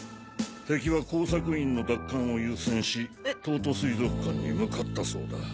敵は工作員の奪還を優先し東都水族館に向かったそうだ。